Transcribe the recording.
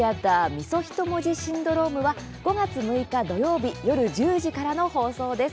みそひともじシンドローム」は５月６日土曜日、夜１０時からの放送です。